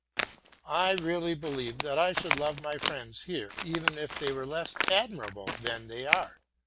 I really believe that I should love my friends here, even if they were less admirable than they are.